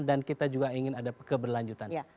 dan kita juga ingin ada keberlanjutan